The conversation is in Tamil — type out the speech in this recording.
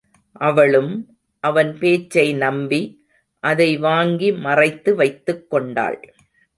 அவளும், அவன் பேச்சை நம்பி, அதை வாங்கி மறைத்து வைத்துக் கொண்டாள்.